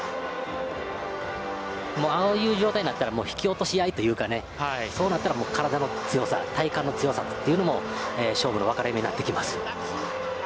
ああいう状態になったら引き落とし合いというかそうなったら体の強さ体幹の強さも勝負の分かれ目になってきます。